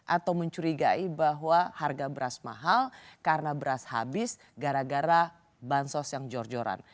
atau mencurigai bahwa harga beras mahal karena beras habis gara gara bansos yang jor joran